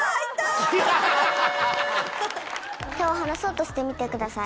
手を離そうとしてみてください。